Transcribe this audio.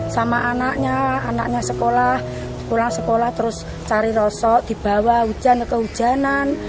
sama anaknya anaknya sekolah pulang sekolah terus cari rosok dibawa hujan atau hujanan